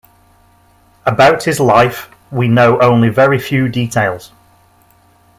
About his life we know only very few details.